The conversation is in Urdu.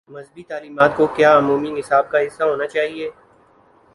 مذہبی تعلیمات کو کیا عمومی نصاب کا حصہ ہو نا چاہیے؟